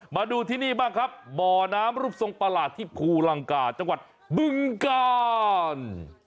มาดูที่นี่บ้างครับบ่อน้ำรูปทรงประหลาดที่ภูลังกาจังหวัดบึงกาล